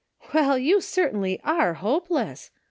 " Well, you certainly are hopeless